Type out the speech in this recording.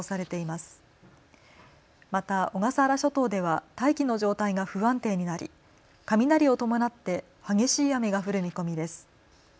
また小笠原諸島では大気の状態が不安定になり雷を伴って激しい雨が降る見込みです。